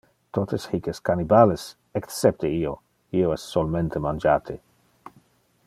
Totes hic es cannibales, excepte io, io es solmente mangiate.